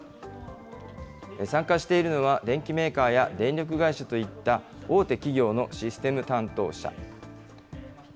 参加しているのは、電機メーカーや電力会社といった大手企業のシステム担当者。